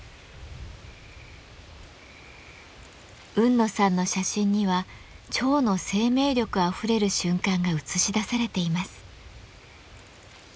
海野さんの写真には蝶の生命力あふれる瞬間が写し出されています。